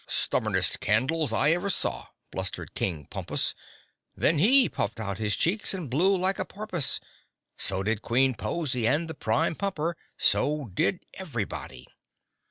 "Stubbornest candles I ever saw!" blustered King Pompus. Then he puffed out his cheeks and blew like a porpoise; so did Queen Pozy and the Prime Pumper; so did everybody.